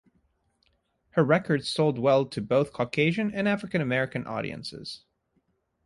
Her records sold well to both Caucasian and African-American audiences.